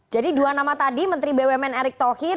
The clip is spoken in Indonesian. jadi dua nama tadi menteri bumn erick thohir